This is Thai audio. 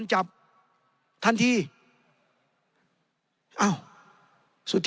ในทางปฏิบัติมันไม่ได้